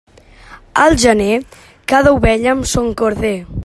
Al gener, cada ovella amb son corder.